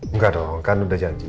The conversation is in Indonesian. enggak dong kan udah janji